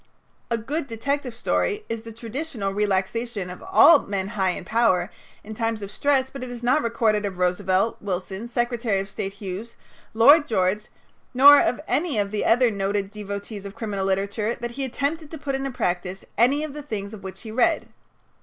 "A good detective story" is the traditional relaxation of all men high in power in times of stress, but it is not recorded of Roosevelt, Wilson, Secretary of State Hughes, Lloyd George, nor of any of the other noted devotees of criminal literature that he attempted to put into practice any of the things of which he read.